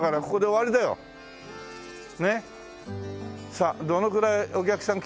さあどのくらいお客さん来てるかな。